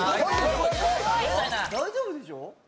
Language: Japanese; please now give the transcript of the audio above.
大丈夫でしょ。